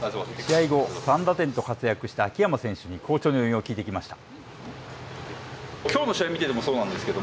試合後３打点と活躍した秋山選手に好調の要因を聞いてきました。